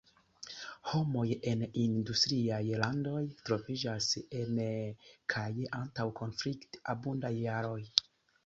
Homoj en industriaj landoj troviĝas en kaj antaŭ konflikt-abundaj jaroj.